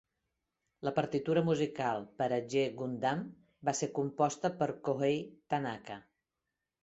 La partitura musical per a "G Gundam" va ser composta per Kohei Tanaka.